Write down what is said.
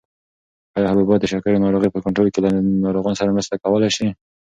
ایا حبوبات د شکرې ناروغۍ په کنټرول کې له ناروغانو سره مرسته کولای شي؟